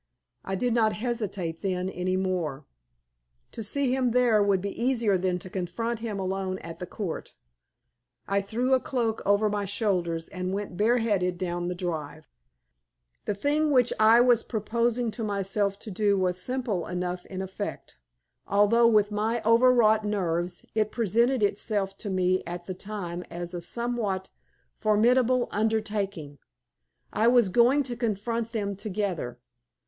I did not hesitate then any more. To see him there would be easier than to confront him alone at the Court. I threw a cloak over my shoulders and went bareheaded down the drive. The thing which I was proposing to myself to do was simple enough in effect, although with my overwrought nerves it presented itself to me at the time as a somewhat formidable undertaking. I was going to confront them together.